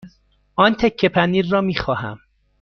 آن تکه پنیر را می خواهم.